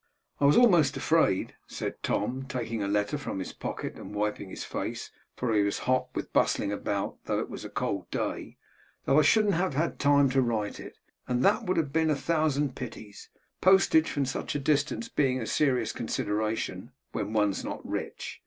'I was almost afraid,' said Tom, taking a letter from his pocket and wiping his face, for he was hot with bustling about though it was a cold day, 'that I shouldn't have had time to write it, and that would have been a thousand pities; postage from such a distance being a serious consideration, when one's not rich.